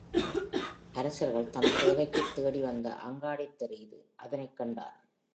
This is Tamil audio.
அரசர்கள் தம் தேவைக்குத் தேடி வந்த அங்காடித் தெரு இது, அதனைக் கண்டான்.